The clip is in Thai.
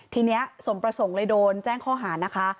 ทีนี้สมประสงค์เลยโดนแจ้งข้อหานะคะ